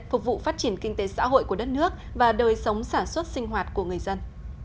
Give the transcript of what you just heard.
phục vụ phát triển kinh tế xã hội của đất nước và đời sống sản xuất sinh hoạt của người dân